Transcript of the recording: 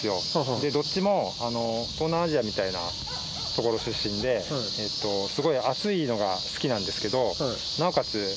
でどっちも東南アジアみたいなところ出身で暑いのが好きなんですけどなおかつ